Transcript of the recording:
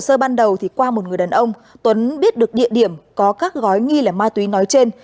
vào lúc ban đầu qua một người đàn ông tuấn biết được địa điểm có các gói nghi là ma túy nói trên